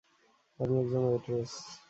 আমি একজন ওয়েট্রেস।